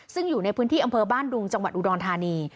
ซึ่งอยู่ในพื้นที่อำเภอบ้านดุงจังหวัดอุดรธานี